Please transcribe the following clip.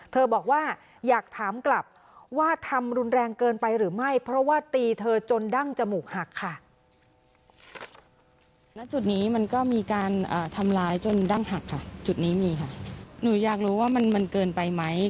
บอกว่าอยากถามกลับว่าทำรุนแรงเกินไปหรือไม่เพราะว่าตีเธอจนดั้งจมูกหักค่ะ